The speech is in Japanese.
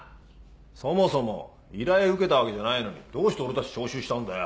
そもそも依頼を受けたわけじゃないのにどうして俺たち招集したんだよ？